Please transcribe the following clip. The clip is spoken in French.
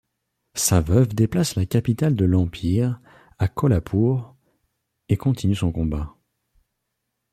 Sa veuve déplace la capitale de l'Empire à Kolhapur et continue son combat.